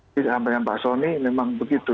jadi sampai dengan pak soni memang begitu